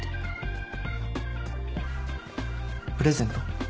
プレゼント。